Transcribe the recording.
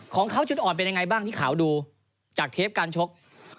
ของเขาจุดอ่อนเป็นยังไงบ้างที่ขาวดูจากเทปการชก